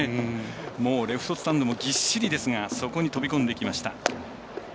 レフトスタンドもぎっしりですがそこに飛び込んでいきました。